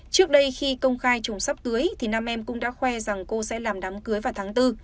trước đây khi công khai chồng sắp cưới nam em cũng đã khoe rằng cô sẽ làm đám cưới vào tháng bốn